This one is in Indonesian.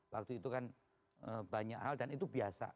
waktu itu kan banyak hal dan itu biasa